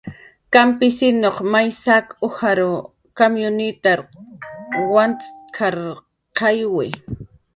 "Kampisinuq may saq ujar kamyunitar wantk""arqayki"